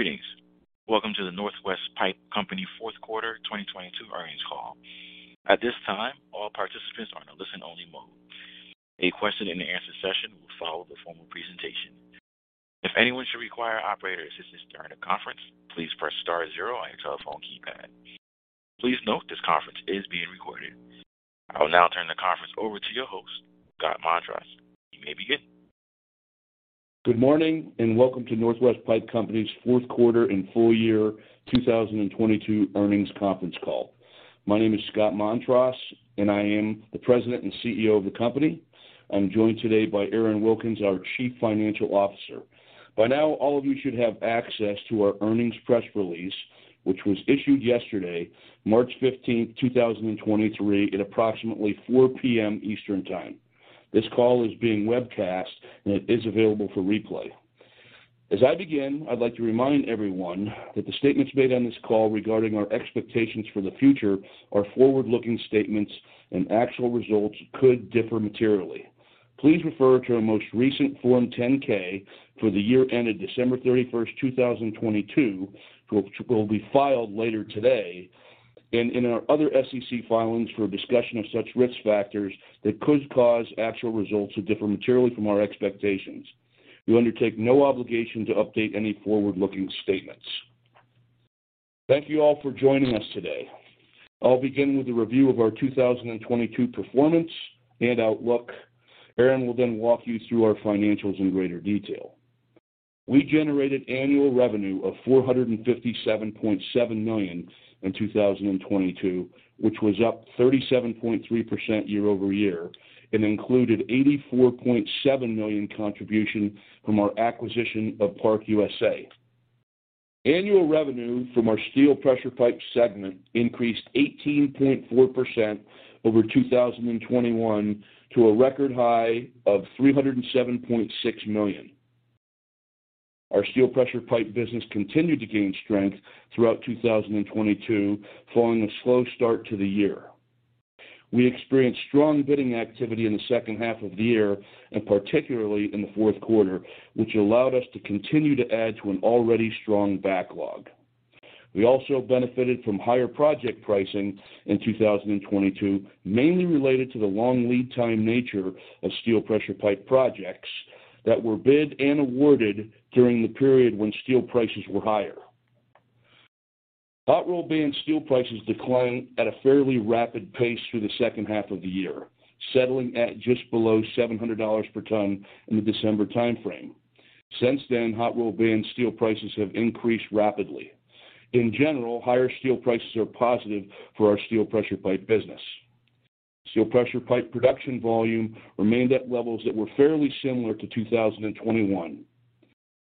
Greetings. Welcome to the Northwest Pipe Company fourth quarter 2022 earnings call. At this time, all participants are in a listen-only mode. A question and answer session will follow the formal presentation. If anyone should require operator assistance during the conference, please press star zero on your telephone keypad. Please note this conference is being recorded. I will now turn the conference over to your host, Scott Montross. You may begin. Good morning and welcome to Northwest Pipe Company's fourth quarter and full year 2022 earnings conference call. My name is Scott Montross, I am the president and CEO of the company. I'm joined today by Aaron Wilkins, our chief financial officer. By now, all of you should have access to our earnings press release, which was issued yesterday, March 15th, 2023, at approximately 4:00 P.M. Eastern Time. This call is being webcast, and it is available for replay. As I begin, I'd like to remind everyone that the statements made on this call regarding our expectations for the future are forward-looking statements and actual results could differ materially. Please refer to our most recent Form 10-K for the year ended December 31st, 2022, which will be filed later today, and in our other SEC filings for a discussion of such risk factors that could cause actual results to differ materially from our expectations. We undertake no obligation to update any forward-looking statements. Thank you all for joining us today. I'll begin with a review of our 2022 performance and outlook. Aaron will then walk you through our financials in greater detail. We generated annual revenue of $457.7 million in 2022, which was up 37.3% year-over-year and included $84.7 million contribution from our acquisition of ParkUSA. Annual revenue from our Steel Pressure Pipe segment increased 18.4% over 2021 to a record high of $307.6 million. Our Steel Pressure Pipe business continued to gain strength throughout 2022, following a slow start to the year. We experienced strong bidding activity in the second half of the year, and particularly in the fourth quarter, which allowed us to continue to add to an already strong backlog. We also benefited from higher project pricing in 2022, mainly related to the long-lead-time nature of Steel Pressure Pipe projects that were bid and awarded during the period when steel prices were higher. hot-rolled band steel prices declined at a fairly rapid pace through the second half of the year, settling at just below $700 per ton in the December timeframe. Since then, hot-rolled band steel prices have increased rapidly. In general, higher steel prices are positive for our Steel Pressure Pipe business. Steel pressure pipe production volume remained at levels that were fairly similar to 2021.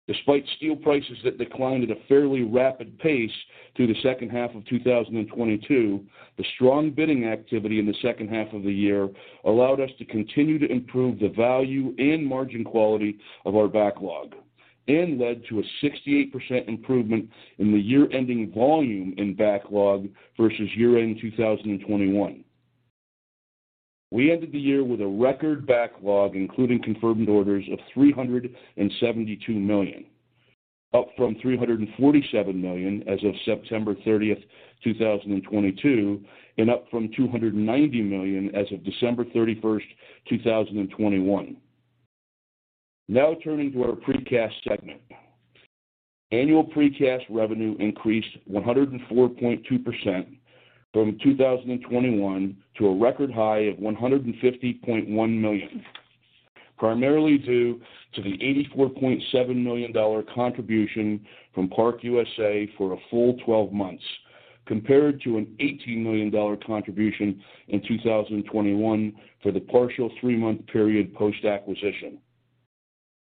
Despite steel prices that declined at a fairly rapid pace through the second half of 2022, the strong bidding activity in the second half of the year allowed us to continue to improve the value and margin quality of our backlog and led to a 68% improvement in the year-ending volume in backlog versus year-end 2021. We ended the year with a record backlog, including confirmed orders of $372 million, up from $347 million as of September 30, 2022, and up from $290 million as of December 31, 2021. Turning to our precast segment. Annual precast revenue increased 104.2% from 2021 to a record high of $150.1 million, primarily due to the $84.7 million contribution from ParkUSA for a full 12 months, compared to an $18 million contribution in 2021 for the partial three-month period post-acquisition.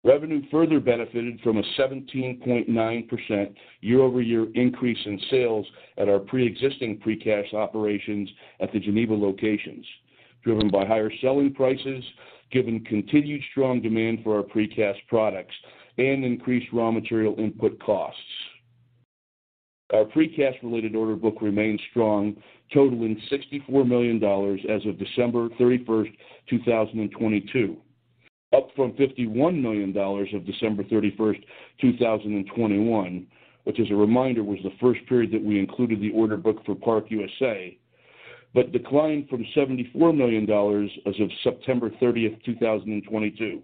Revenue further benefited from a 17.9% year-over-year increase in sales at our preexisting precast operations at the Geneva locations, driven by higher selling prices, given continued strong demand for our precast products and increased raw material input costs. Our precast-related order book remains strong, totaling $64 million as of December 31, 2022, up from $51 million as of December 31, 2021, which as a reminder, was the first period that we included the order book for ParkUSA, but declined from $74 million as of September 30, 2022,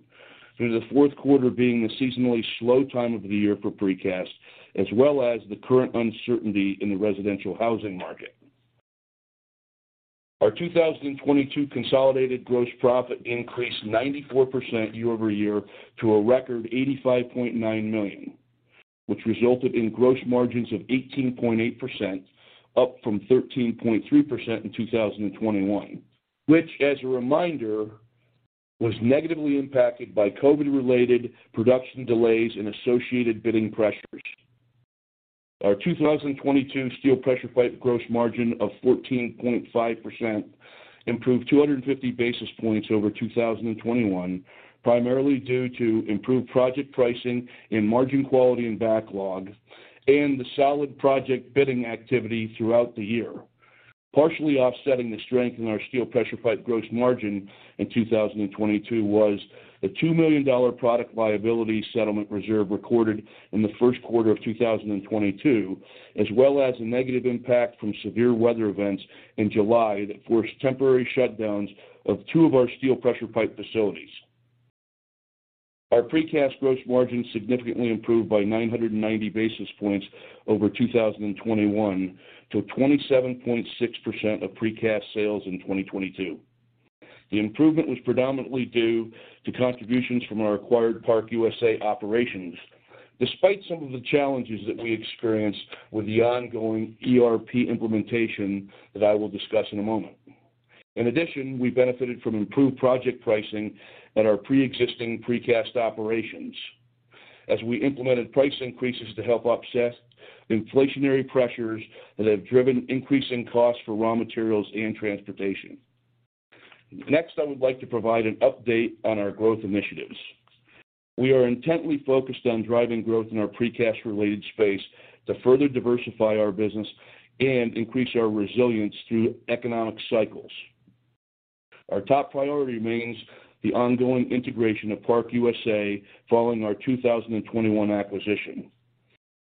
due to the fourth quarter being the seasonally slow time of the year for precast, as well as the current uncertainty in the residential housing market. Our 2022 consolidated gross profit increased 94% year-over-year to a record $85.9 million, which resulted in gross margins of 18.8%, up from 13.3% in 2021, which as a reminder, was negatively impacted by COVID-related production delays and associated bidding pressures. Our 2022 Steel Pressure Pipe gross margin of 14.5% improved 250 basis points over 2021, primarily due to improved project pricing and margin quality and backlog and the solid project bidding activity throughout the year. Partially offsetting the strength in our Steel Pressure Pipe gross margin in 2022 was a $2 million product liability settlement reserve recorded in the first quarter of 2022, as well as a negative impact from severe weather events in July that forced temporary shutdowns of two of our Steel Pressure Pipe facilities. Our precast gross margin significantly improved by 990 basis points over 2021 to 27.6% of precast sales in 2022. The improvement was predominantly due to contributions from our acquired ParkUSA operations, despite some of the challenges that we experienced with the ongoing ERP implementation that I will discuss in a moment. We benefited from improved project pricing at our preexisting precast operations as we implemented price increases to help offset inflationary pressures that have driven increasing costs for raw materials and transportation. I would like to provide an update on our growth initiatives. We are intently focused on driving growth in our precast-related space to further diversify our business and increase our resilience through economic cycles. Our top priority remains the ongoing integration of ParkUSA following our 2021 acquisition.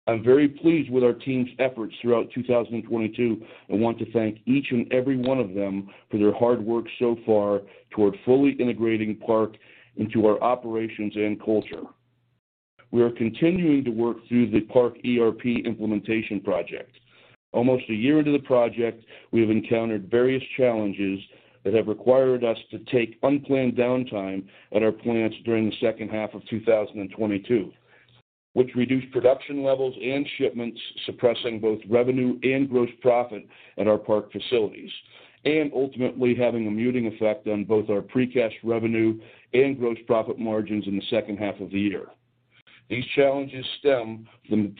I'm very pleased with our team's efforts throughout 2022 and want to thank each and every one of them for their hard work so far toward fully integrating Park into our operations and culture. We are continuing to work through the Park ERP implementation project. Almost a year into the project, we have encountered various challenges that have required us to take unplanned downtime at our plants during the second half of 2022, which reduced production levels and shipments, suppressing both revenue and gross profit at our Park facilities and ultimately having a muting effect on both our precast revenue and gross profit margins in the second half of the year. These challenges stem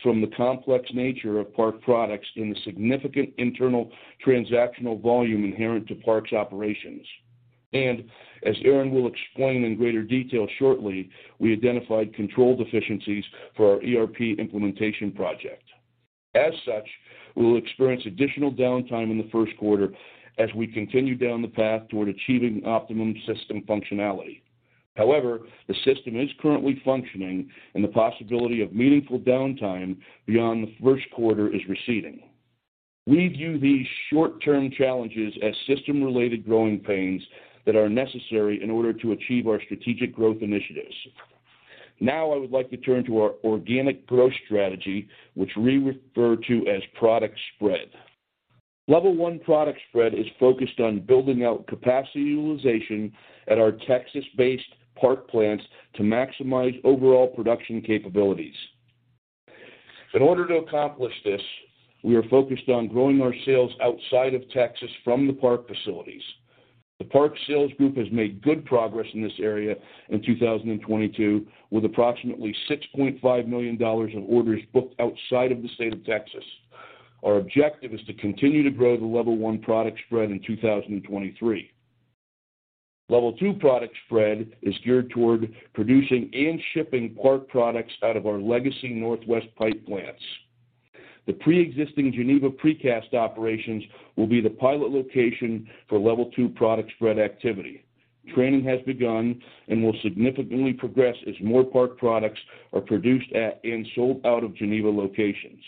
from the complex nature of Park products and the significant internal transactional volume inherent to Park's operations. As Erin will explain in greater detail shortly, we identified control deficiencies for our ERP implementation project. As such, we will experience additional downtime in the first quarter as we continue down the path toward achieving optimum system functionality. However, the system is currently functioning and the possibility of meaningful downtime beyond the first quarter is receding. We view these short-term challenges as system-related growing pains that are necessary in order to achieve our strategic growth initiatives. I would like to turn to our organic growth strategy, which we refer to as Product Spread. Level 1 Product Spread is focused on building out capacity utilization at our Texas-based Park plants to maximize overall production capabilities. In order to accomplish this, we are focused on growing our sales outside of Texas from the Park facilities. The Park sales group has made good progress in this area in 2022, with approximately $6.5 million in orders booked outside of the state of Texas. Our objective is to continue to grow the level 1 Product Spread in 2023. Level 2 Product Spread is geared toward producing and shipping Park products out of our legacy Northwest Pipe plants. The preexisting Geneva precast operations will be the pilot location for level 2 Product Spread activity. Training has begun and will significantly progress as more Park products are produced at and sold out of Geneva locations.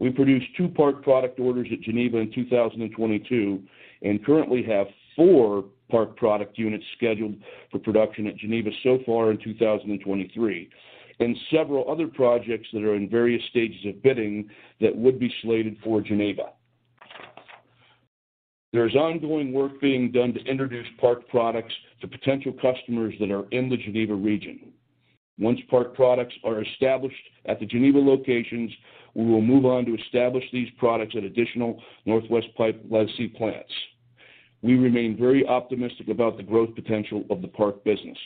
We produced two Park product orders at Geneva in 2022, and currently have four Park product units scheduled for production at Geneva so far in 2023, and several other projects that are in various stages of bidding that would be slated for Geneva. There is ongoing work being done to introduce Park products to potential customers that are in the Geneva region. Once Park products are established at the Geneva locations, we will move on to establish these products at additional Northwest Pipe legacy plants. We remain very optimistic about the growth potential of the Park business.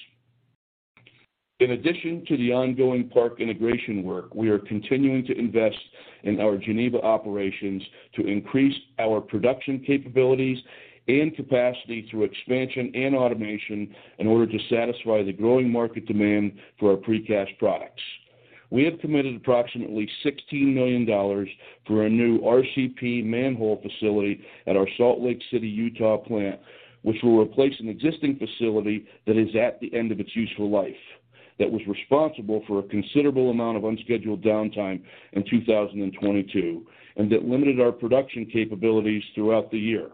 In addition to the ongoing Park integration work, we are continuing to invest in our Geneva operations to increase our production capabilities and capacity through expansion and automation in order to satisfy the growing market demand for our precast products. We have committed approximately $16 million for a new RCP manhole facility at our Salt Lake City, Utah plant, which will replace an existing facility that is at the end of its useful life that was responsible for a considerable amount of unscheduled downtime in 2022 and that limited our production capabilities throughout the year.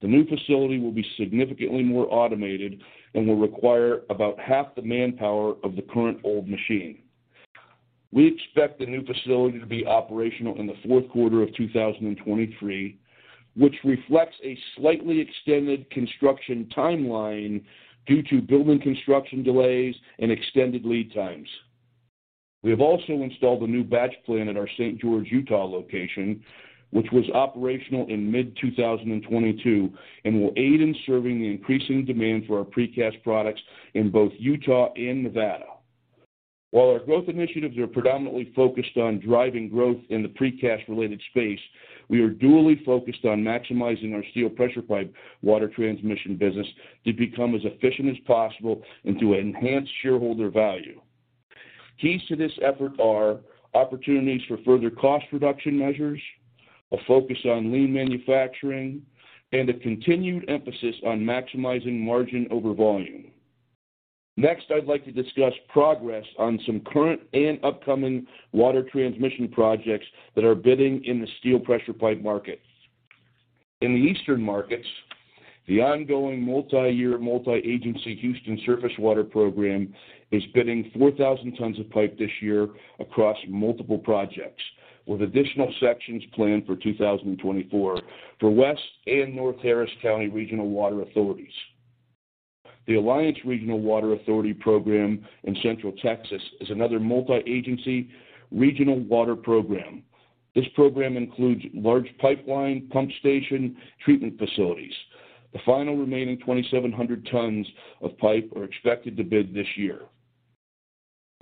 The new facility will be significantly more automated and will require about half the manpower of the current old machine. We expect the new facility to be operational in the fourth quarter of 2023, which reflects a slightly extended construction timeline due to building construction delays and extended lead times. We have also installed a new batch plant at our St. George, Utah location, which was operational in mid-2022 and will aid in serving the increasing demand for our precast products in both Utah and Nevada. While our growth initiatives are predominantly focused on driving growth in the precast related space, we are dually focused on maximizing our Steel Pressure Pipe water transmission business to become as efficient as possible and to enhance shareholder value. Keys to this effort are opportunities for further cost reduction measures, a focus on lean manufacturing, and a continued emphasis on maximizing margin over volume. I'd like to discuss progress on some current and upcoming water transmission projects that are bidding in the Steel Pressure Pipe market. In the eastern markets, the ongoing multi-year, multi-agency Houston Surface Water Program is bidding 4,000 tons of pipe this year across multiple projects, with additional sections planned for 2024 for West and North Harris County Regional Water Authorities. The Alliance Regional Water Authority Program in Central Texas is another multi-agency regional water program. This program includes large pipeline, pump station, treatment facilities. The final remaining 2,700 tons of pipe are expected to bid this year.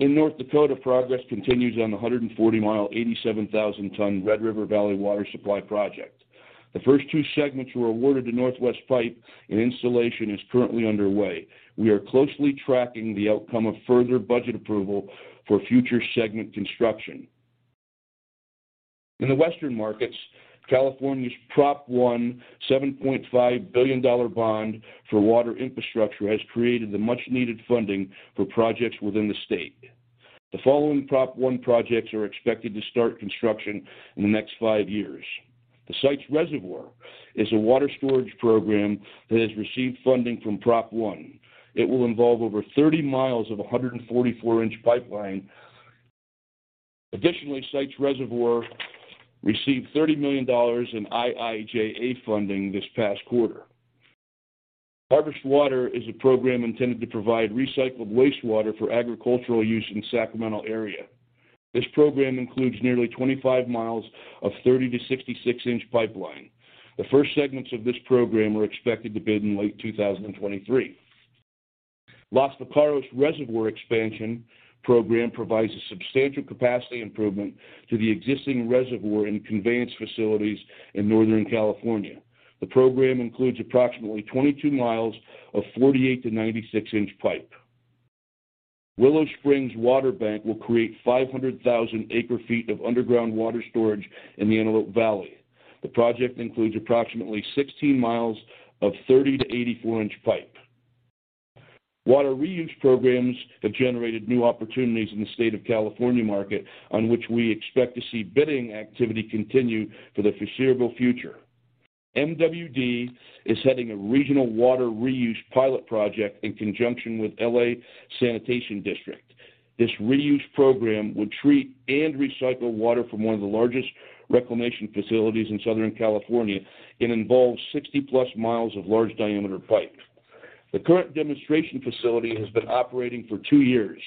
In North Dakota, progress continues on the 140-mi, 87,000 ton Red River Valley Water Supply Project. The first two segments were awarded to Northwest Pipe, and installation is currently underway. We are closely tracking the outcome of further budget approval for future segment construction. In the Western markets, California's Prop 1 $7.5 billion bond for water infrastructure has created the much-needed funding for projects within the state. The following Prop 1 projects are expected to start construction in the next five years. The Sites Reservoir is a water storage program that has received funding from Prop 1. It will involve over 30 mi of a 144-in pipeline. Additionally, Sites Reservoir received $30 million in IIJA funding this past quarter. Harvest Water is a program intended to provide recycled wastewater for agricultural use in the Sacramento area. This program includes nearly 25 mi of 30-66 in pipeline. The first segments of this program are expected to bid in late 2023. Los Vaqueros Reservoir Expansion Project provides a substantial capacity improvement to the existing reservoir and conveyance facilities in Northern California. The program includes approximately 22 mi of 48-96 in pipe. Willow Springs Water Bank will create 500,000 acre feet of underground water storage in the Antelope Valley. The project includes approximately 16 mi of 30-84 in pipe. Water reuse programs have generated new opportunities in the state of California market on which we expect to see bidding activity continue for the foreseeable future. MWD is heading a regional water reuse pilot project in conjunction with L.A. Sanitation District. This reuse program would treat and recycle water from one of the largest reclamation facilities in Southern California. It involves 60+ mi of large diameter pipe. The current demonstration facility has been operating for two years.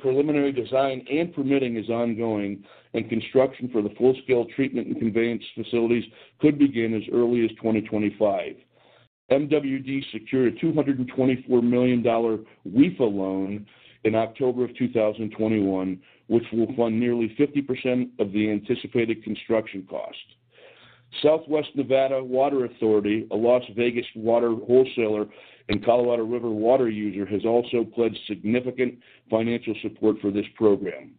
Preliminary design and permitting is ongoing, and construction for the full-scale treatment and conveyance facilities could begin as early as 2025. MWD secured a $224 million WIFA loan in October 2021, which will fund nearly 50% of the anticipated construction cost. Southern Nevada Water Authority, a Las Vegas water wholesaler and Colorado River water user, has also pledged significant financial support for this program.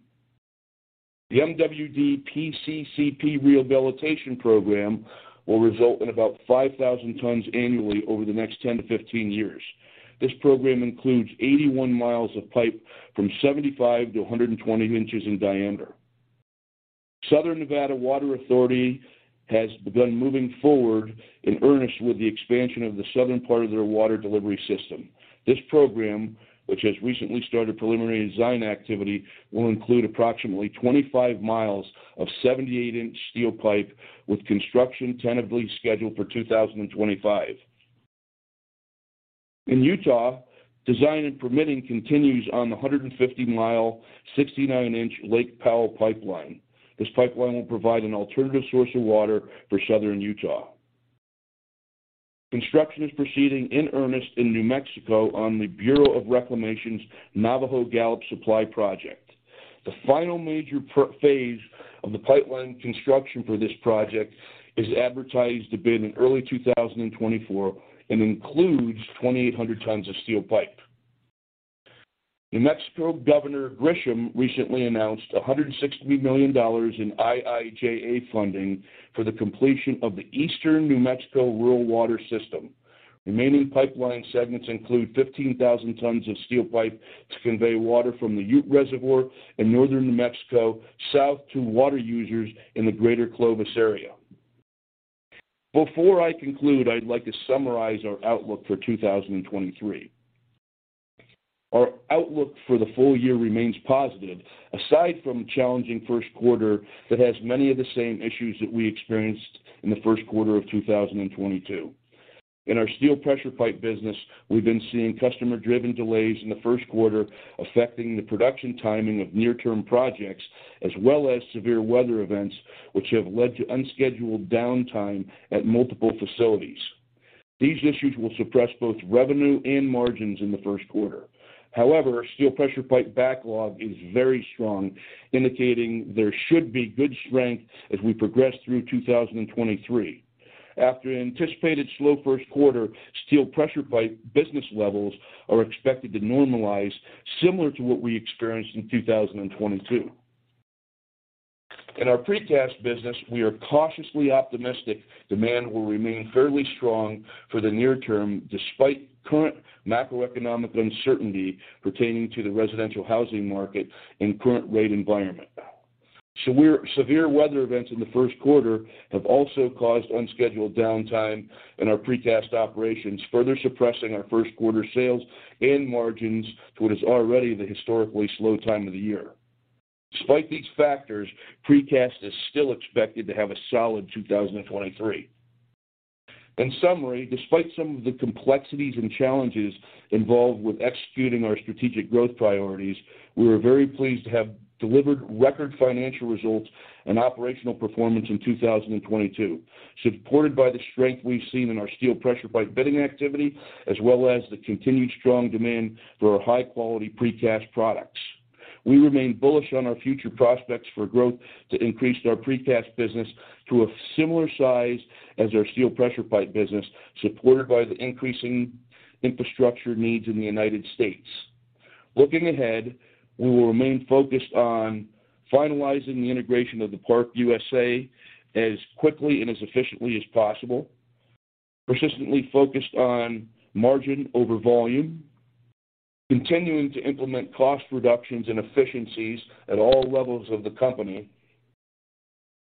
The MWD PCCP Rehabilitation Program will result in about 5,000 tons annually over the next 10-15 years. This program includes 81 mi of pipe from 75-120 in in diameter. Southern Nevada Water Authority has begun moving forward in earnest with the expansion of the southern part of their water delivery system. This program, which has recently started preliminary design activity, will include approximately 25 mi of 78-in steel pipe with construction tentatively scheduled for 2025. In Utah, design and permitting continues on the 150 mi 69 in Lake Powell pipeline. This pipeline will provide an alternative source of water for southern Utah. Construction is proceeding in earnest in New Mexico on the Bureau of Reclamation's Navajo-Gallup Supply Project. The final major phase of the pipeline construction for this project is advertised to bid in early 2024 and includes 2,800 tons of steel pipe. New Mexico Governor Grisham recently announced $160 million in IIJA funding for the completion of the Eastern New Mexico Rural Water System. Remaining pipeline segments include 15,000 tons of steel pipe to convey water from the Ute Reservoir in northern New Mexico south to water users in the greater Clovis area. Before I conclude, I'd like to summarize our outlook for 2023. Our outlook for the full year remains positive, aside from a challenging first quarter that has many of the same issues that we experienced in the first quarter of 2022. In our Steel Pressure Pipe business, we've been seeing customer-driven delays in the first quarter affecting the production timing of near-term projects, as well as severe weather events, which have led to unscheduled downtime at multiple facilities. These issues will suppress both revenue and margins in the first quarter. Steel pressure pipe backlog is very strong, indicating there should be good strength as we progress through 2023. After an anticipated slow first quarter, Steel Pressure Pipe business levels are expected to normalize similar to what we experienced in 2022. In our precast business, we are cautiously optimistic demand will remain fairly strong for the near term despite current macroeconomic uncertainty pertaining to the residential housing market and current rate environment. Severe weather events in the first quarter have also caused unscheduled downtime in our precast operations, further suppressing our first quarter sales and margins to what is already the historically slow time of the year. Despite these factors, precast is still expected to have a solid 2023. In summary, despite some of the complexities and challenges involved with executing our strategic growth priorities, we are very pleased to have delivered record financial results and operational performance in 2022, supported by the strength we've seen in our Steel Pressure Pipe bidding activity as well as the continued strong demand for our high-quality precast products. We remain bullish on our future prospects for growth to increase our precast business to a similar size as our Steel Pressure Pipe business, supported by the increasing infrastructure needs in the United States. Looking ahead, we will remain focused on finalizing the integration of ParkUSA as quickly and as efficiently as possible, persistently focused on margin over volume, continuing to implement cost reductions and efficiencies at all levels of the company,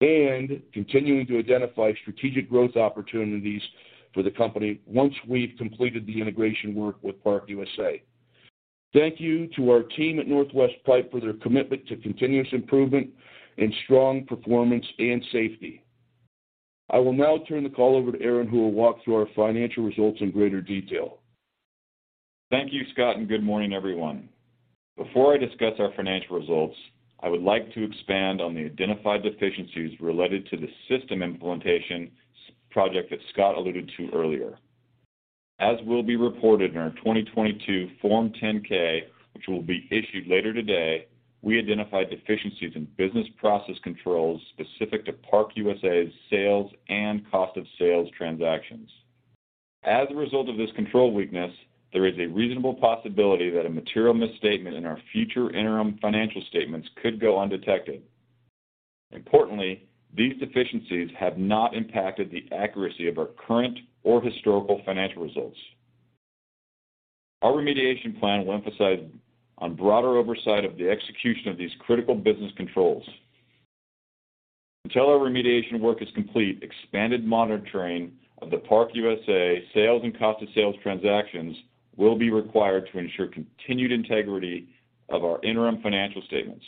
and continuing to identify strategic growth opportunities for the company once we've completed the integration work with ParkUSA. Thank you to our team at Northwest Pipe for their commitment to continuous improvement and strong performance and safety. I will now turn the call over to Aaron, who will walk through our financial results in greater detail. Thank you, Scott, and good morning, everyone. Before I discuss our financial results, I would like to expand on the identified deficiencies related to the system implementation project that Scott alluded to earlier. As will be reported in our 2022 Form 10-K, which will be issued later today, we identified deficiencies in business process controls specific to ParkUSA's sales and cost of sales transactions. As a result of this control weakness, there is a reasonable possibility that a material misstatement in our future interim financial statements could go undetected. Importantly, these deficiencies have not impacted the accuracy of our current or historical financial results. Our remediation plan will emphasize on broader oversight of the execution of these critical business controls. Until our remediation work is complete, expanded monitoring of the ParkUSA sales and cost of sales transactions will be required to ensure continued integrity of our interim financial statements.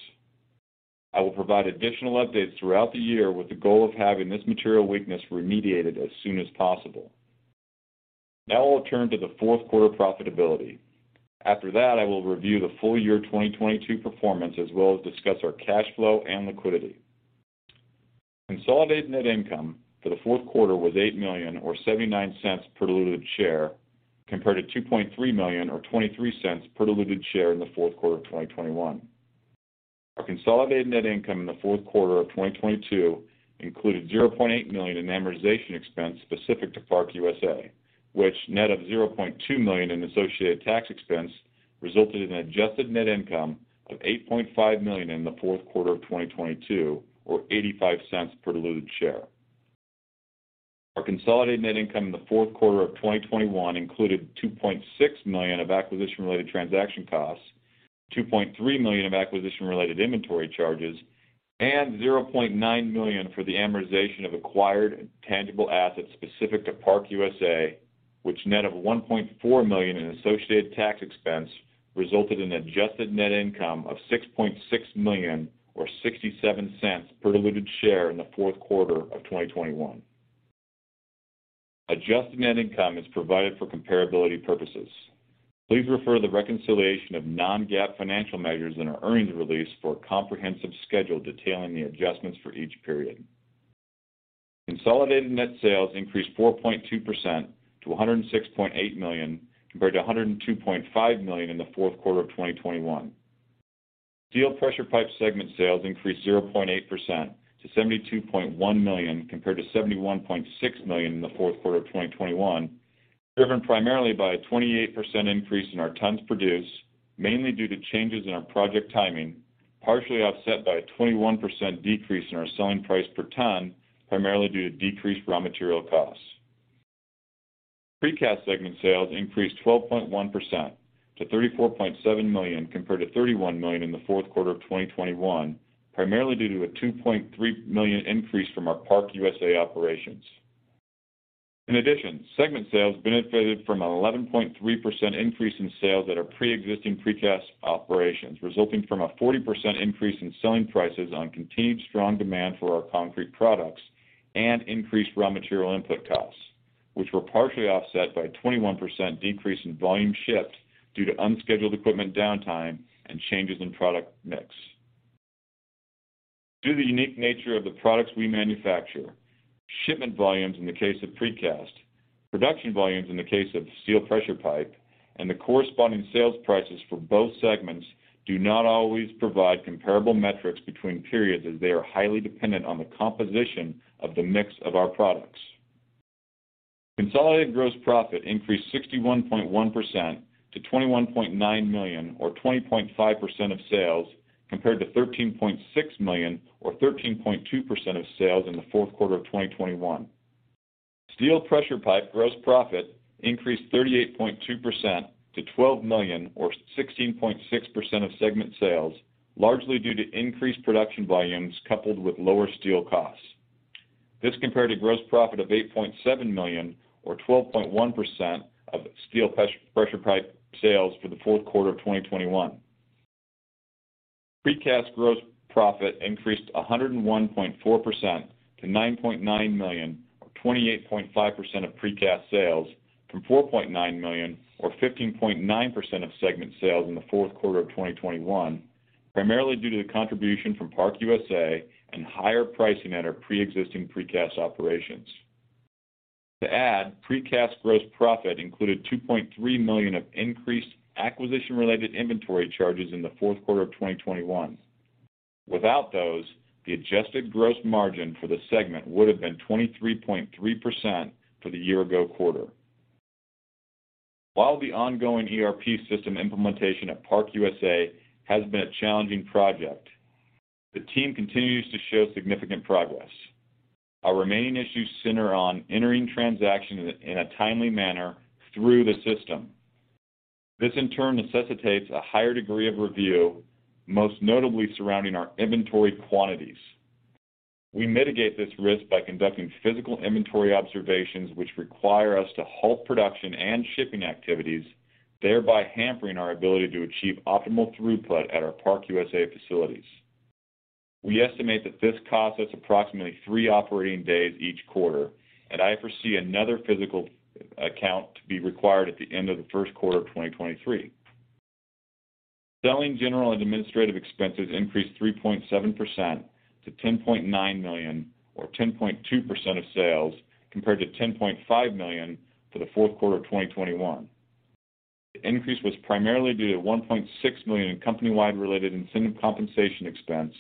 I will provide additional updates throughout the year with the goal of having this material weakness remediated as soon as possible. I'll turn to the fourth quarter profitability. After that, I will review the full year 2022 performance as well as discuss our cash flow and liquidity. Consolidated net income for the fourth quarter was $8 million or $0.79 per diluted share compared to $2.3 million or $0.23 per diluted share in the fourth quarter of 2021. Our consolidated net income in the fourth quarter of 2022 included $0.8 million in amortization expense specific to ParkUSA, which net of $0.2 million in associated tax expense, resulted in adjusted net income of $8.5 million in the fourth quarter of 2022 or $0.85 per diluted share. Our consolidated net income in the fourth quarter of 2021 included $2.6 million of acquisition-related transaction costs, $2.3 million of acquisition-related inventory charges, and $0.9 million for the amortization of acquired tangible assets specific to ParkUSA, which net of $1.4 million in associated tax expense, resulted in adjusted net income of $6.6 million or $0.67 per diluted share in the fourth quarter of 2021. Adjusted net income is provided for comparability purposes. Please refer the reconciliation of non-GAAP financial measures in our earnings release for a comprehensive schedule detailing the adjustments for each period. Consolidated net sales increased 4.2% to $106.8 million compared to $102.5 million in the fourth quarter of 2021. Steel pressure pipe segment sales increased 0.8% to $72.1 million compared to $71.6 million in the fourth quarter of 2021, driven primarily by a 28% increase in our tons produced, mainly due to changes in our project timing, partially offset by a 21% decrease in our selling price per ton, primarily due to decreased raw material costs. Precast segment sales increased 12.1% to $34.7 million compared to $31 million in the fourth quarter of 2021, primarily due to a $2.3 million increase from our ParkUSA operations. In addition, segment sales benefited from an 11.3% increase in sales at our preexisting Precast operations, resulting from a 40% increase in selling prices on continued strong demand for our concrete products and increased raw material input costs, which were partially offset by a 21% decrease in volume shipped due to unscheduled equipment downtime and changes in product mix. Due to the unique nature of the products we manufacture, shipment volumes in the case of Precast production volumes in the case of Steel Pressure Pipe and the corresponding sales prices for both segments do not always provide comparable metrics between periods as they are highly dependent on the composition of the mix of our products. Consolidated gross profit increased 61.1% to $21.9 million or 20.5% of sales, compared to $13.6 million or 13.2% of sales in the fourth quarter of 2021. Steel pressure pipe gross profit increased 38.2% to $12 million or 16.6% of segment sales, largely due to increased production volumes coupled with lower steel costs. This compared to gross profit of $8.7 million or 12.1% of steel press-pressure pipe sales for the fourth quarter of 2021. Precast gross profit increased 101.4% to $9.9 million or 28.5% of precast sales from $4.9 million or 15.9% of segment sales in the fourth quarter of 2021, primarily due to the contribution from ParkUSA and higher pricing at our preexisting precast operations. To add, precast gross profit included $2.3 million of increased acquisition-related inventory charges in the fourth quarter of 2021. Without those, the adjusted gross margin for the segment would have been 23.3% for the year ago quarter. While the ongoing ERP system implementation at ParkUSA has been a challenging project, the team continues to show significant progress. Our remaining issues center on entering transactions in a timely manner through the system. This, in turn, necessitates a higher degree of review, most notably surrounding our inventory quantities. We mitigate this risk by conducting physical inventory observations which require us to halt production and shipping activities, thereby hampering our ability to achieve optimal throughput at our ParkUSA facilities. We estimate that this costs us approximately three operating days each quarter, and I foresee another physical count to be required at the end of the first quarter of 2023. Selling, general, and administrative expenses increased 3.7% to $10.9 million or 10.2% of sales, compared to $10.5 million for the fourth quarter of 2021. The increase was primarily due to $1.6 million in company-wide related incentive compensation expense,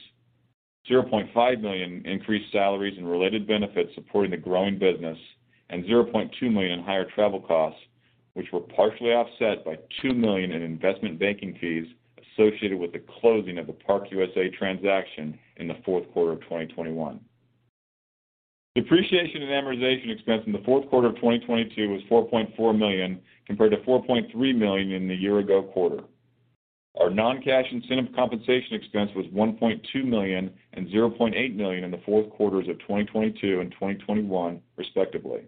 $0.5 million increased salaries and related benefits supporting the growing business, and $0.2 million in higher travel costs, which were partially offset by $2 million in investment banking fees associated with the closing of the ParkUSA transaction in the fourth quarter of 2021. Depreciation and amortization expense in the fourth quarter of 2022 was $4.4 million, compared to $4.3 million in the year ago quarter. Our non-cash incentive compensation expense was $1.2 million and $0.8 million in the fourth quarters of 2022 and 2021 respectively.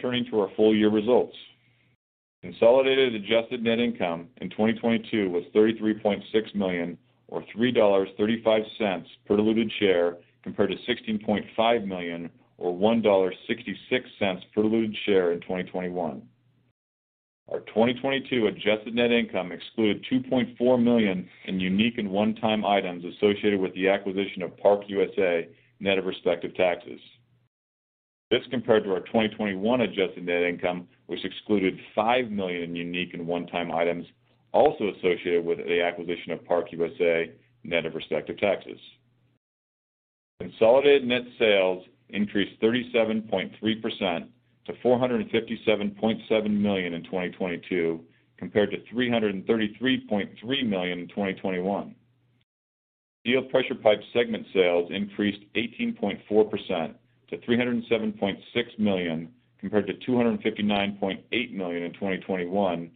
Turning to our full year results. Consolidated adjusted net income in 2022 was $33.6 million or $3.35 per diluted share, compared to $16.5 million or $1.66 per diluted share in 2021. Our 2022 adjusted net income excluded $2.4 million in unique and one-time items associated with the acquisition of ParkUSA, net of respective taxes. This compared to our 2021 adjusted net income, which excluded $5 million in unique and one-time items, also associated with the acquisition of ParkUSA, net of respective taxes. Consolidated net sales increased 37.3% to $457.7 million in 2022, compared to $333.3 million in 2021. Steel pressure pipe segment sales increased 18.4% to $307.6 million, compared to $259.8 million in 2021,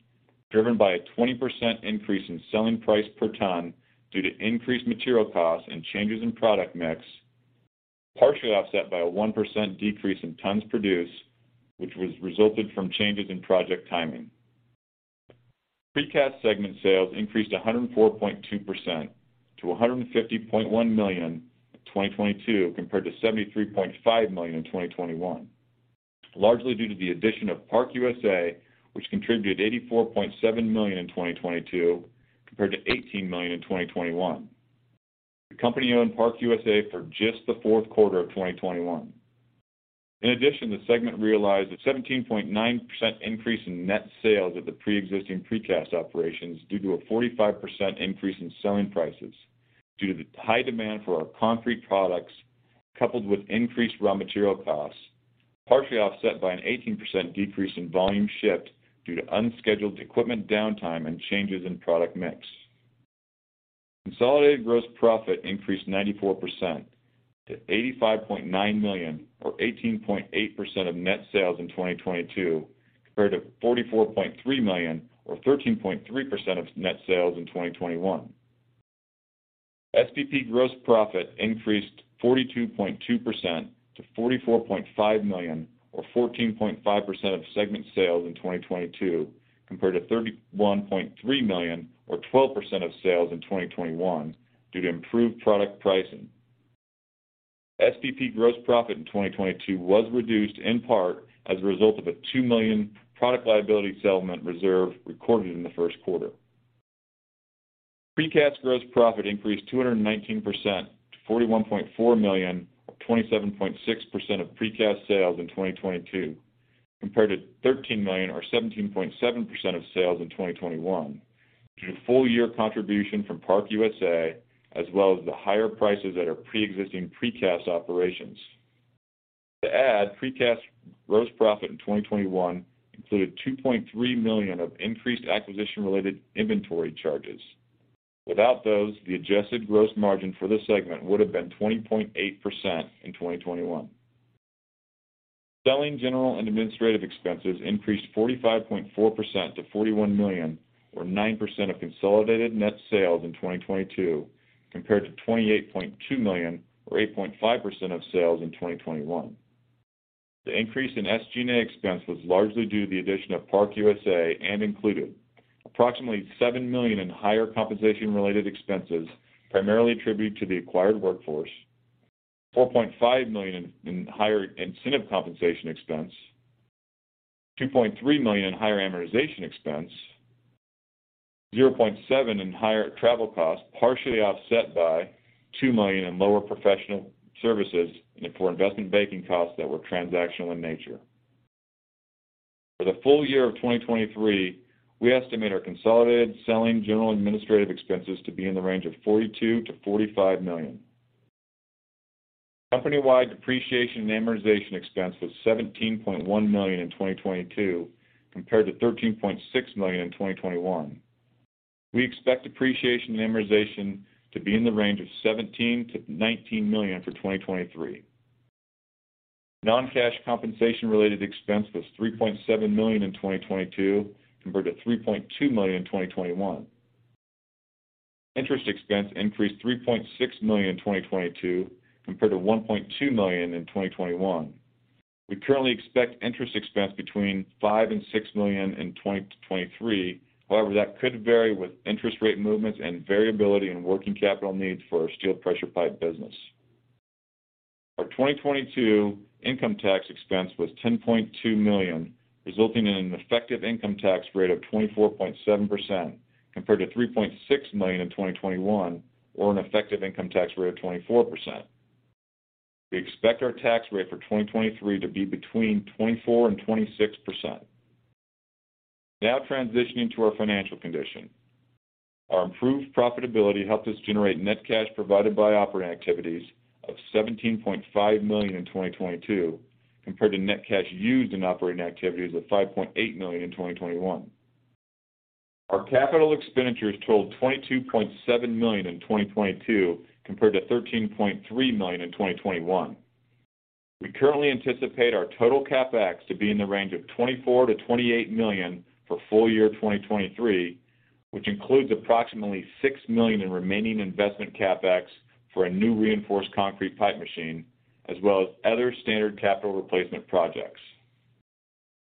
driven by a 20% increase in selling price per ton due to increased material costs and changes in product mix, partially offset by a 1% decrease in tons produced, which was resulted from changes in project timing. Precast segment sales increased 104.2% to $150.1 million in 2022, compared to $73.5 million in 2021, largely due to the addition of ParkUSA, which contributed $84.7 million in 2022 compared to $18 million in 2021. The company owned ParkUSA for just the fourth quarter of 2021. In addition, the segment realized a 17.9% increase in net sales at the preexisting precast operations due to a 45% increase in selling prices due to the high demand for our concrete products, coupled with increased raw material costs, partially offset by an 18% decrease in volume shipped due to unscheduled equipment downtime and changes in product mix. Consolidated gross profit increased 94% to $85.9 million or 18.8% of net sales in 2022, compared to $44.3 million or 13.3% of net sales in 2021. SPP gross profit increased 42.2% to $44.5 million or 14.5% of segment sales in 2022, compared to $31.3 million or 12% of sales in 2021 due to improved product pricing. SPP gross profit in 2022 was reduced in part as a result of a $2 million product liability settlement reserve recorded in the first quarter. Precast gross profit increased 219% to $41.4 million, or 27.6% of precast sales in 2022 compared to $13 million or 17.7% of sales in 2021 due to full year contribution from ParkUSA, as well as the higher prices at our preexisting precast operations. Precast gross profit in 2021 included $2.3 million of increased acquisition-related inventory charges. Without those, the adjusted gross margin for this segment would have been 20.8% in 2021. Selling, general and administrative expenses increased 45.4% to $41 million, or 9% of consolidated net sales in 2022 compared to $28.2 million or 8.5% of sales in 2021. The increase in SG&A expense was largely due to the addition of ParkUSA and included approximately $7 million in higher compensation related expenses, primarily attributed to the acquired workforce, $4.5 million in higher incentive compensation expense, $2.3 million in higher amortization expense, $0.7 million in higher travel costs, partially offset by $2 million in lower professional services and for investment banking costs that were transactional in nature. For the full year of 2023, we estimate our consolidated selling, general, and administrative expenses to be in the range of $42 million-$45 million. Company-wide depreciation and amortization expense was $17.1 million in 2022 compared to $13.6 million in 2021. We expect depreciation and amortization to be in the range of $17 million-$19 million for 2023. Non-cash compensation related expense was $3.7 million in 2022 compared to $3.2 million in 2021. Interest expense increased $3.6 million in 2022 compared to $1.2 million in 2021. We currently expect interest expense between $5 million and $6 million in 2023. However, that could vary with interest rate movements and variability in working capital needs for our Steel Pressure Pipe business. Our 2022 income tax expense was $10.2 million, resulting in an effective income tax rate of 24.7% compared to $3.6 million in 2021, or an effective income tax rate of 24%. We expect our tax rate for 2023 to be between 24% and 26%. Now transitioning to our financial condition. Our improved profitability helped us generate net cash provided by operating activities of $17.5 million in 2022 compared to net cash used in operating activities of $5.8 million in 2021. Our capital expenditures totaled $22.7 million in 2022 compared to $13.3 million in 2021. We currently anticipate our total CapEx to be in the range of $24 million-$28 million for full year 2023, which includes approximately $6 million in remaining investment CapEx for a new reinforced concrete pipe machine, as well as other standard capital replacement projects.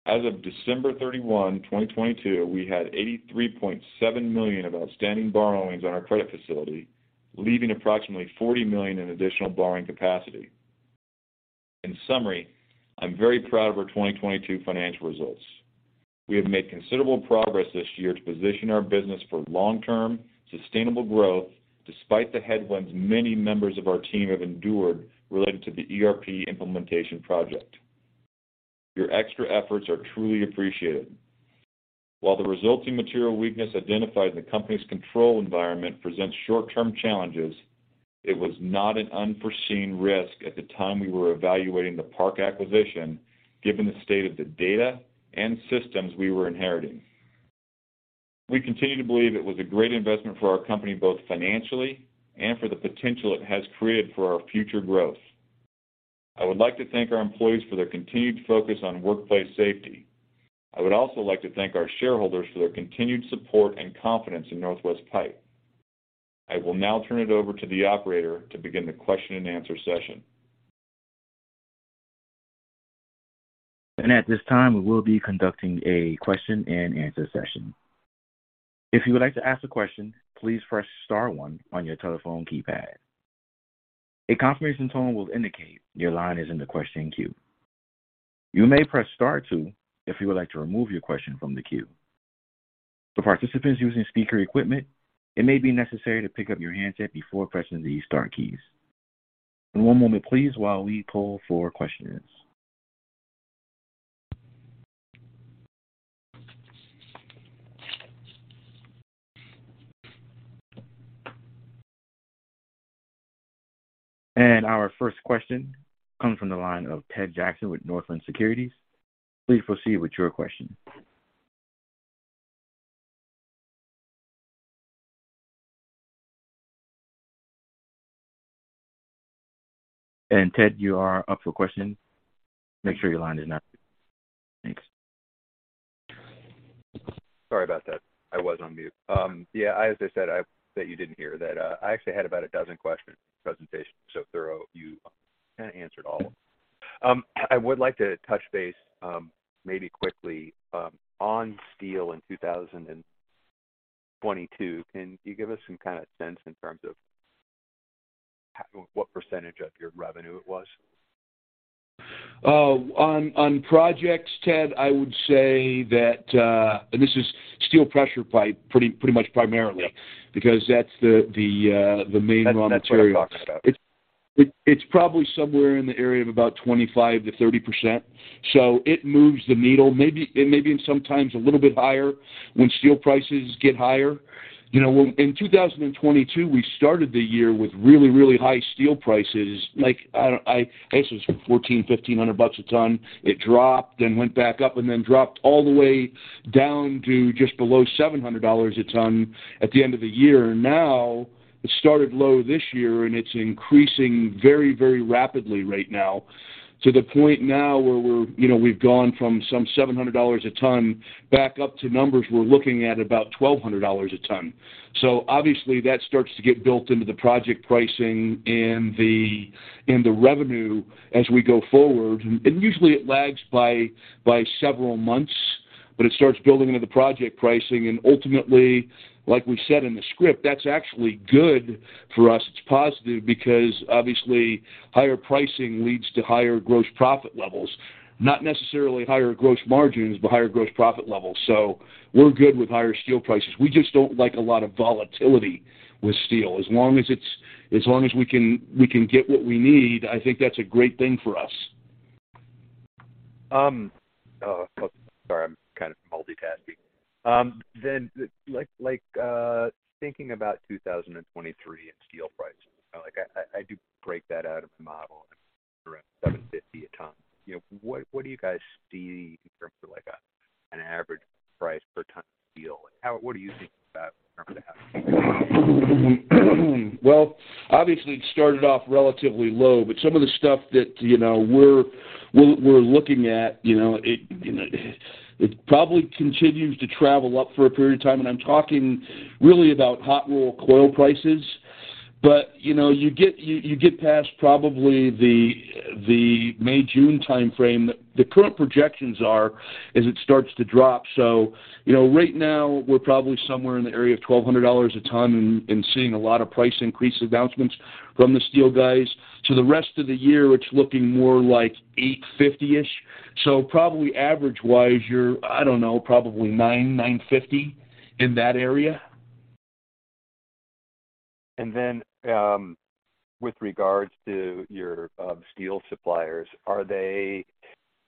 As of December 31, 2022, we had $83.7 million of outstanding borrowings on our credit facility, leaving approximately $40 million in additional borrowing capacity. In summary, I'm very proud of our 2022 financial results. We have made considerable progress this year to position our business for long-term sustainable growth despite the headwinds many members of our team have endured related to the ERP implementation project. Your extra efforts are truly appreciated. While the resulting material weakness identified in the company's control environment presents short-term challenges, it was not an unforeseen risk at the time we were evaluating the Park acquisition, given the state of the data and systems we were inheriting. We continue to believe it was a great investment for our company, both financially and for the potential it has created for our future growth. I would like to thank our employees for their continued focus on workplace safety. I would also like to thank our shareholders for their continued support and confidence in Northwest Pipe. I will now turn it over to the operator to begin the question and answer session. At this time, we will be conducting a question and answer session. If you would like to ask a question, please press star one on your telephone keypad. A confirmation tone will indicate your line is in the question queue. You may press star two if you would like to remove your question from the queue. For participants using speaker equipment, it may be necessary to pick up your handset before pressing the star keys. One moment please while we pull for questions. Our first question comes from the line of Ted Jackson with Northland Securities. Please proceed with your question. Ted, you are up for a question. Make sure your line is. Thanks. Sorry about that. I was on mute. Yeah, as I said, I bet you didn't hear that. I actually had about 12 questions. Presentation was so thorough, you kind of answered all of them. I would like to touch base, maybe quickly, on steel in 2022. Can you give us some kind of sense in terms of what percentage of your revenue it was? On projects, Ted, I would say that, and this is Steel Pressure Pipe pretty much primarily because that's the main raw material. That's what I'm talking about. It's probably somewhere in the area of about 25%-30%. It moves the needle. Maybe sometimes a little bit higher when steel prices get higher. You know, in 2022, we started the year with really, really high steel prices, like, I guess it was $1,400-$1,500 a ton. It dropped and went back up, and then dropped all the way down to just below $700 a ton at the end of the year. It started low this year, and it's increasing very, very rapidly right now to the point now where we're, you know, we've gone from some $700 a ton back up to numbers we're looking at about $1,200 a ton. Obviously that starts to get built into the project pricing and the revenue as we go forward. Usually it lags by several months, but it starts building into the project pricing. Ultimately, like we said in the script, that's actually good for us. It's positive because obviously higher pricing leads to higher gross profit levels. Not necessarily higher gross margins, but higher gross profit levels. We're good with higher steel prices. We just don't like a lot of volatility with steel. As long as we can get what we need, I think that's a great thing for us. Sorry, I'm kind of multitasking. Like, thinking about 2023 and steel prices, like I do break that out of the model around $750 a ton. You know, what do you guys see in terms of like an average price per ton of steel? What are you thinking about in terms of that? Obviously it started off relatively low, but some of the stuff that, you know, we're looking at, you know, it probably continues to travel up for a period of time. I'm talking really about hot-rolled coil prices. You know, you get past probably the May, June timeframe. The current projections are, is it starts to drop. You know, right now we're probably somewhere in the area of $1,200 a ton and seeing a lot of price increase announcements from the steel guys. The rest of the year it's looking more like $850-ish. Probably average wise you're, I don't know, probably $900-$950 in that area. Then, with regards to your steel suppliers,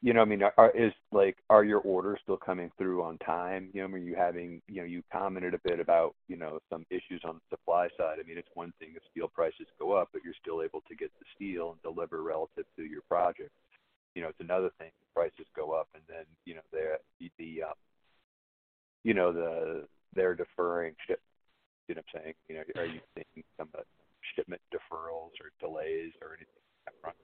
you know what I mean? Are your orders still coming through on time? You know, you commented a bit about, you know, some issues on the supply side. I mean, it's one thing if steel prices go up, but you're still able to get the steel and deliver relative to your project. You know, it's another thing if prices go up and then, you know, the, you know, they're deferring ship? You know what I'm saying? You know, are you seeing some shipment deferrals or delays or anything like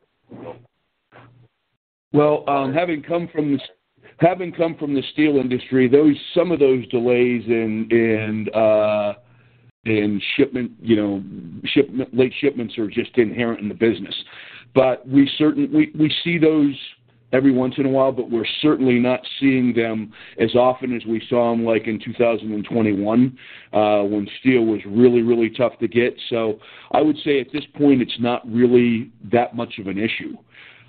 that? Having come from the steel industry, those, some of those delays and shipment, you know, late shipments are just inherent in the business. We see those every once in a while, but we're certainly not seeing them as often as we saw them like in 2021, when steel was really, really tough to get. I would say at this point it's not really that much of an issue.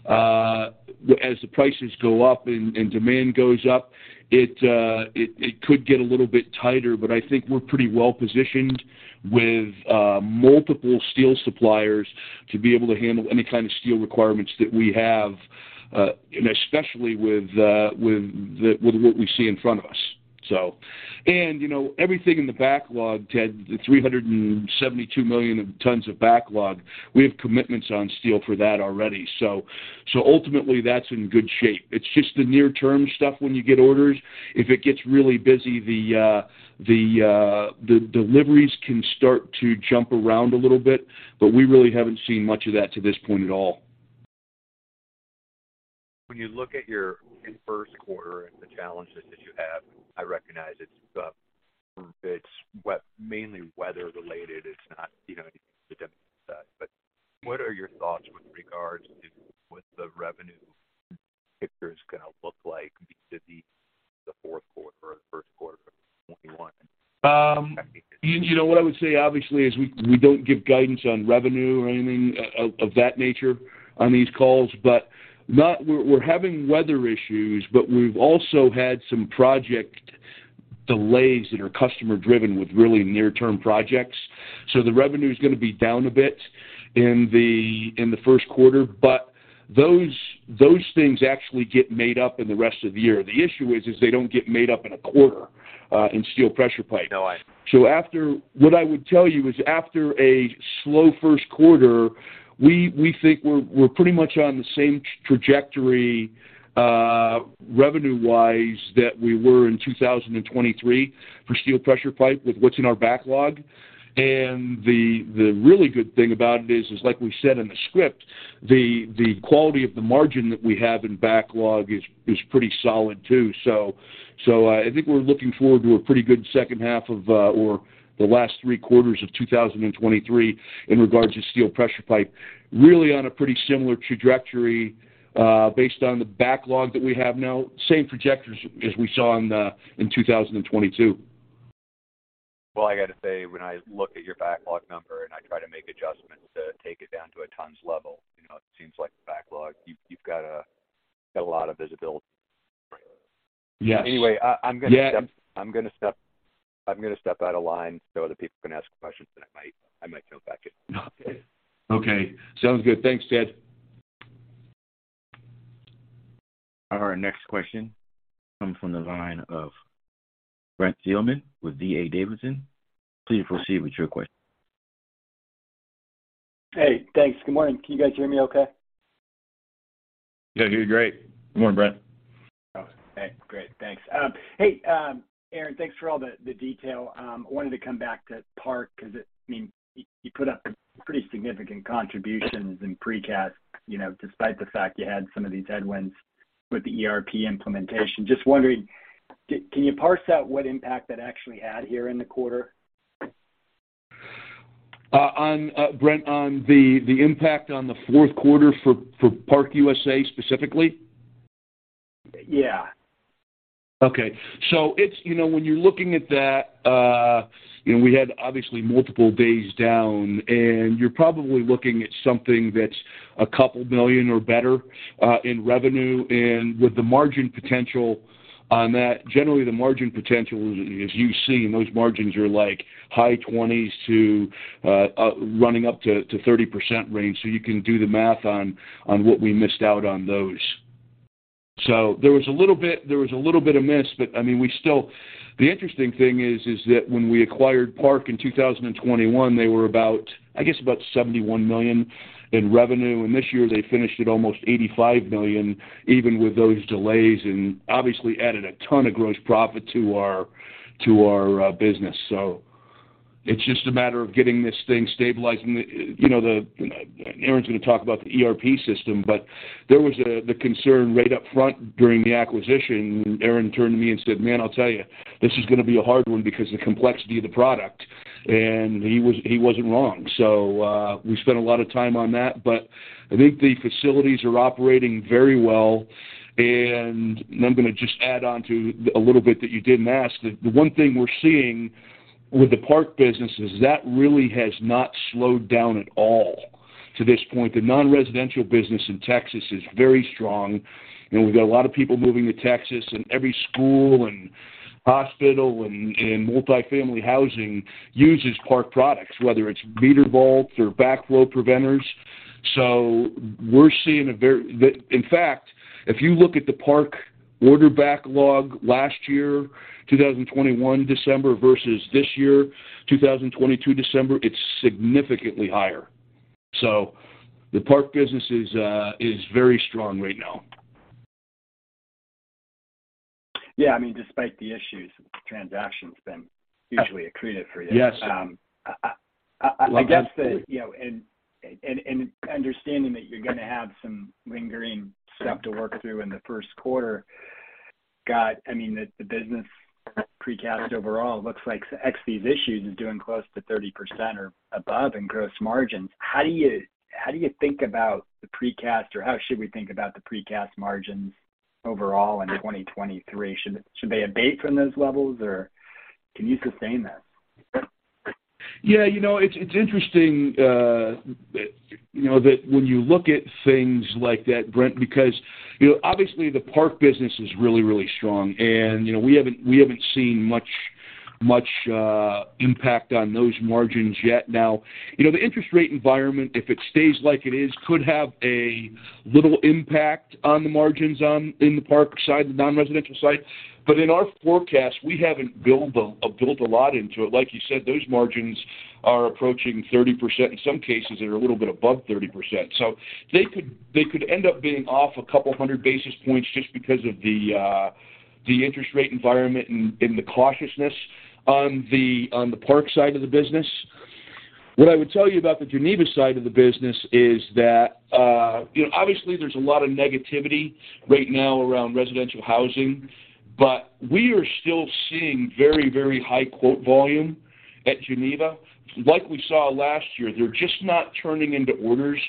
As the prices go up and demand goes up, it could get a little bit tighter, but I think we're pretty well-positioned with multiple steel suppliers to be able to handle any kind of steel requirements that we have, and especially with what we see in front of us. You know, everything in the backlog, Ted, the 372 million tons of backlog, we have commitments on steel for that already. Ultimately, that's in good shape. It's just the near-term stuff when you get orders. If it gets really busy, the deliveries can start to jump around a little bit, but we really haven't seen much of that to this point at all. When you look at your first quarter and the challenges that you have, I recognize it's mainly weather related, it's not, you know, anything specific to that. What are your thoughts with regards to what the revenue picture is gonna look like vis-a-vis the fourth quarter or the first quarter of 2021? you know, what I would say obviously is we don't give guidance on revenue or anything of that nature on these calls. We're having weather issues, but we've also had some project delays that are customer driven with really near-term projects. The revenue is gonna be down a bit in the first quarter. Those things actually get made up in the rest of the year. The issue is they don't get made up in a quarter in Steel Pressure Pipe. No. What I would tell you is after a slow first quarter, we think we're pretty much on the same trajectory revenue-wise that we were in 2023 for Steel Pressure Pipe with what's in our backlog. The really good thing about it is like we said in the script, the quality of the margin that we have in backlog is pretty solid too. I think we're looking forward to a pretty good second half of or the last three quarters of 2023 in regards to Steel Pressure Pipe. Really on a pretty similar trajectory based on the backlog that we have now. Same projectors as we saw in 2022. Well, I gotta say, when I look at your backlog number and I try to make adjustments to take it down to a tons level, you know, it seems like the backlog, you've got a lot of visibility. Yes. Anyway, I'm gonna. Yeah. I'm gonna step out of line so other people can ask questions, and I might come back in. Okay. Sounds good. Thanks, Ted. Our next question comes from the line of Brent Thielman with D.A. Davidson. Please proceed with your question. Hey. Thanks. Good morning. Can you guys hear me okay? Yeah. You're great. Good morning, Brent. Oh, hey. Great. Thanks. Hey, Aaron, thanks for all the detail. Wanted to come back to Park because it... I mean, you put up pretty significant contributions in Precast, you know, despite the fact you had some of these headwinds with the ERP implementation. Just wondering, can you parse out what impact that actually had here in the quarter? On, Brent Thielman, on the impact on the fourth quarter for ParkUSA specifically? Yeah. Okay. It's, you know, when you're looking at that, you know, we had obviously multiple days down, and you're probably looking at something that's $2 million or better, in revenue. With the margin potential on that, generally the margin potential is you've seen those margins are like high 20s-30% range. You can do the math on what we missed out on those. There was a little bit of miss, but I mean, we still. The interesting thing is that when we acquired Park in 2021, they were about, I guess about $71 million in revenue, and this year they finished at almost $85 million, even with those delays, and obviously added a ton of gross profit to our business. It's just a matter of getting this thing stabilized. You know, Aaron's gonna talk about the ERP system, but there was a concern right up front during the acquisition. Aaron turned to me and said, "Man, I'll tell you, this is gonna be a hard one because the complexity of the product." He wasn't wrong. We spent a lot of time on that, but I think the facilities are operating very well. I'm gonna just add on to a little bit that you didn't ask. The one thing we're seeing with the Park business is that really has not slowed down at all to this point. The non-residential business in Texas is very strong, and we've got a lot of people moving to Texas, and every school and hospital and multi-family housing uses Park products, whether it's meter vaults or backflow preventers. We're seeing a very. In fact, if you look at the Park order backlog last year, 2021 December versus this year, 2022 December, it's significantly higher. The Park business is very strong right now. I mean, despite the issues, the transaction's been hugely accretive for you. Yes. I guess that, you know, understanding that you're gonna have some lingering stuff to work through in the first quarter. I mean, the business precast overall looks like ex these issues is doing close to 30% or above in gross margins. How do you think about the precast, or how should we think about the precast margins overall in 2023? Should they abate from those levels, or can you sustain that? Yeah. You know, it's interesting, you know, that when you look at things like that, Brent, because, you know, obviously the Park business is really, really strong. You know, we haven't seen much impact on those margins yet. Now, you know, the interest rate environment, if it stays like it is, could have a little impact on the margins on, in the Park side, the non-residential side. In our forecast, we haven't built a lot into it. Like you said, those margins are approaching 30%. In some cases, they're a little bit above 30%. They could end up being off a couple hundred basis points just because of the interest rate environment and the cautiousness on the Park side of the business. What I would tell you about the Geneva side of the business is that, you know, obviously there's a lot of negativity right now around residential housing, but we are still seeing very, very high quote volume at Geneva. Like we saw last year, they're just not turning into orders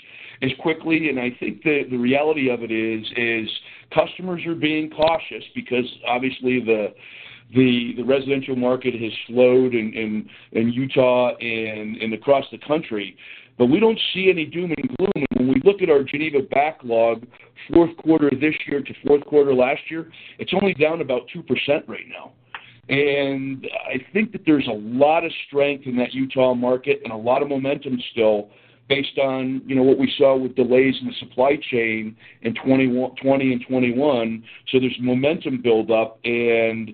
as quickly. I think that the reality of it is customers are being cautious because obviously the residential market has slowed in Utah and across the country. We don't see any doom and gloom. When we look at our Geneva backlog, fourth quarter this year to fourth quarter last year, it's only down about 2% right now. I think that there's a lot of strength in that Utah market and a lot of momentum still based on, you know, what we saw with delays in the supply chain in 2020 and 2021. There's momentum build up, and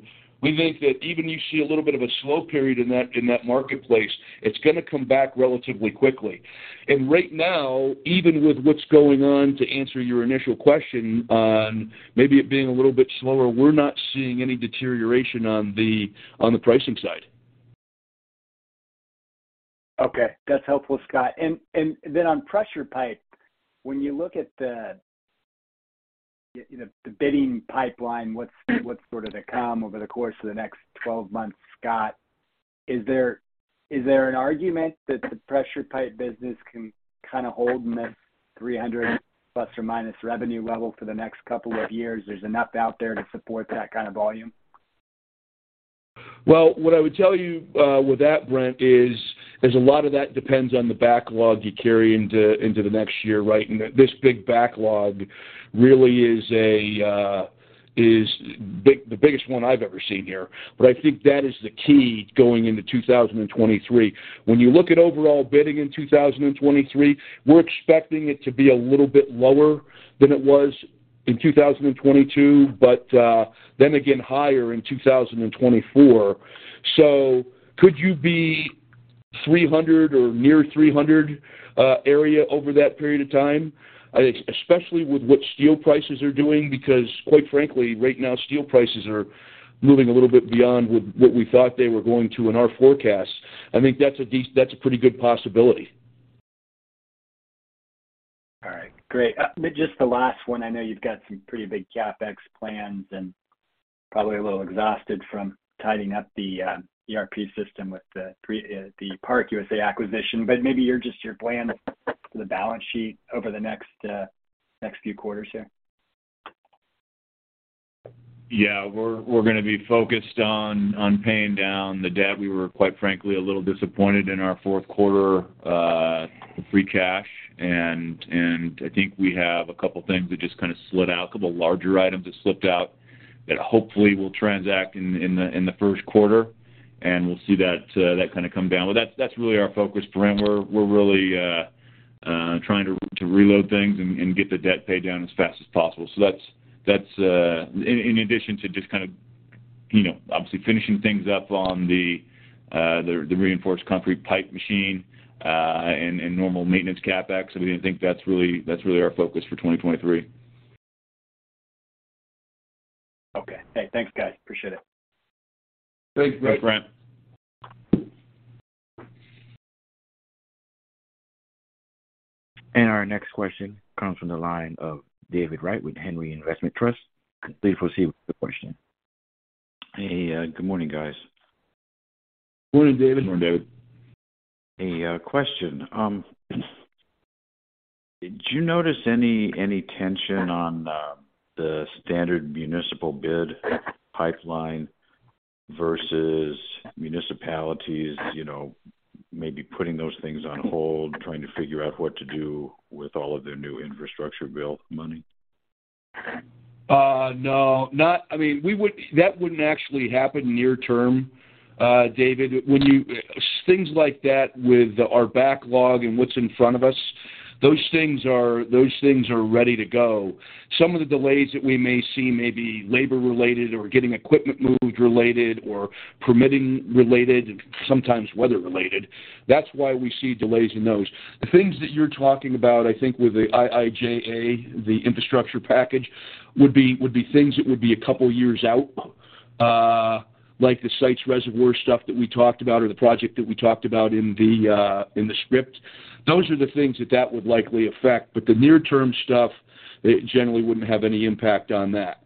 we think that even you see a little bit of a slow period in that marketplace, it's gonna come back relatively quickly. Right now, even with what's going on, to answer your initial question on maybe it being a little bit slower, we're not seeing any deterioration on the pricing side. Okay. That's helpful, Scott. Then on pressure pipe, when you look at, you know, the bidding pipeline, what's sort of to come over the course of the next 12 months, Scott, is there an argument that the pressure pipe business can kind of hold in that $300 plus or minus revenue level for the next couple of years? There's enough out there to support that kind of volume. Well, what I would tell you, with that, Brent, a lot of that depends on the backlog you carry into the next year, right? This big backlog really is the biggest one I've ever seen here. I think that is the key going into 2023. When you look at overall bidding in 2023, we're expecting it to be a little bit lower than it was in 2022, but then again higher in 2024. Could you be 300 or near 300 area over that period of time? Especially with what steel prices are doing, because quite frankly, right now steel prices are moving a little bit beyond what we thought they were going to in our forecast. I think that's a pretty good possibility. All right, great. Just the last one. I know you've got some pretty big CapEx plans and probably a little exhausted from tidying up the ERP system with the ParkUSA acquisition, but maybe your just your plan for the balance sheet over the next next few quarters here. Yeah. We're gonna be focused on paying down the debt. We were, quite frankly, a little disappointed in our fourth quarter free cash. I think we have a couple things that just kind of slid out, a couple of larger items that slipped out that hopefully will transact in the first quarter, and we'll see that kind of come down. That's really our focus, Brent. We're really trying to reload things and get the debt paid down as fast as possible. That's... In addition to just kind of, you know, obviously finishing things up on the reinforced concrete pipe machine, and normal maintenance CapEx. I mean, I think that's really our focus for 2023. Okay. Hey, thanks, guys. Appreciate it. Thanks, Brent. Thanks, Brent. Our next question comes from the line of David Wright with Henry Investment Trust. Please proceed with your question. Hey, good morning, guys. Morning, David. Morning, David. A question. Did you notice any tension on the standard municipal bid pipeline versus municipalities, you know, maybe putting those things on hold, trying to figure out what to do with all of their new infrastructure bill money? No, not. I mean, that wouldn't actually happen near term, David. Things like that with our backlog and what's in front of us, those things are ready to go. Some of the delays that we may see may be labor related or getting equipment moved related or permitting related, sometimes weather related. That's why we see delays in those. The things that you're talking about, I think with the IIJA, the infrastructure package, would be things that would be a couple of years out, like the Sites reservoir stuff that we talked about or the project that we talked about in the script. Those are the things that would likely affect. The near term stuff, it generally wouldn't have any impact on that.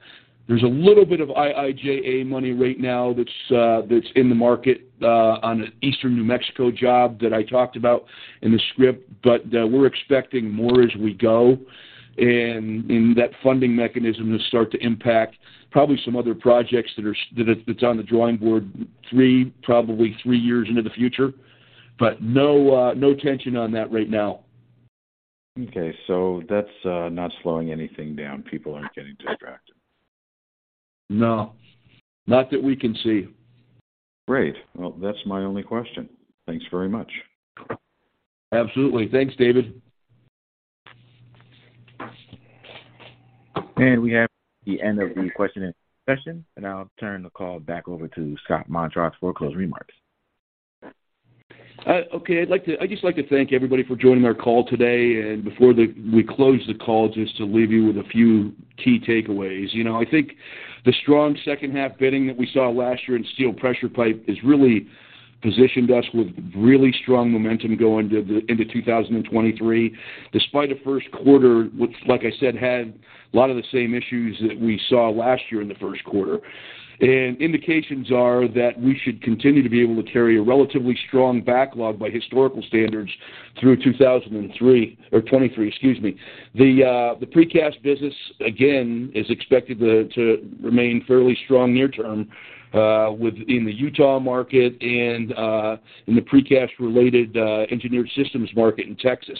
There's a little bit of IIJA money right now that's in the market on an Eastern New Mexico job that I talked about in the script. We're expecting more as we go. That funding mechanism will start to impact probably some other projects that's on the drawing board three, probably three years into the future. No, no tension on that right now. Okay, that's, not slowing anything down, people aren't getting distracted. No, not that we can see. Great. Well, that's my only question. Thanks very much. Absolutely. Thanks, David. We have the end of the question session, and I'll turn the call back over to Scott Montross for closing remarks. Okay. I'd just like to thank everybody for joining our call today. Before we close the call, just to leave you with a few key takeaways. You know, I think the strong second half bidding that we saw last year in Steel Pressure Pipe has really positioned us with really strong momentum going into 2023, despite a first quarter, which like I said, had a lot of the same issues that we saw last year in the first quarter. Indications are that we should continue to be able to carry a relatively strong backlog by historical standards through 2003, or 2023, excuse me. The precast business, again, is expected to remain fairly strong near term, in the Utah market and in the precast related engineered systems market in Texas.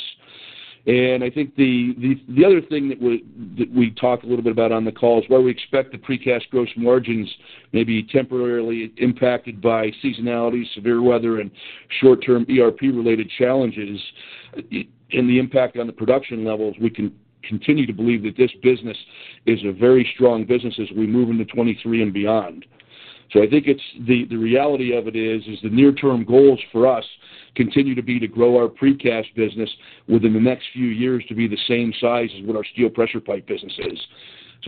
I think the other thing that we talked a little bit about on the call is while we expect the precast gross margins may be temporarily impacted by seasonality, severe weather and short-term ERP related challenges, in the impact on the production levels, we continue to believe that this business is a very strong business as we move into 23 and beyond. I think it's the reality of it is the near term goals for us continue to be to grow our precast business within the next few years to be the same size as what our Steel Pressure Pipe business is.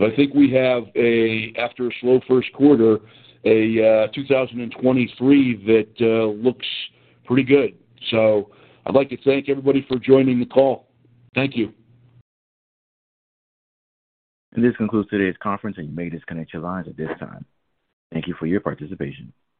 I think we have a, after a slow first quarter, a, 2023 that, looks pretty good. I'd like to thank everybody for joining the call. Thank you. This concludes today's conference, and you may disconnect your lines at this time. Thank you for your participation.